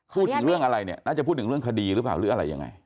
พูดถึงเรื่องอะไรเนี่ยน่าจะพูดถึงเรื่องคดีหรือเปล่าหรืออะไรยังไง